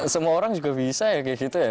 semua orang juga bisa ya kayak gitu ya